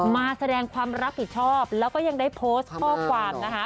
มาแสดงความรับผิดชอบแล้วก็ยังได้โพสต์ข้อความนะคะ